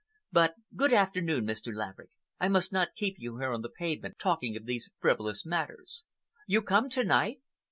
But good afternoon, Mr. Laverick! I must not keep you here on the pavement talking of these frivolous matters. You come to night?"